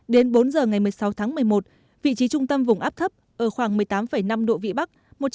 đến bốn giờ ngày một mươi sáu tháng một mươi một vị trí trung tâm vùng áp thấp ở khoảng một mươi tám năm độ vĩ bắc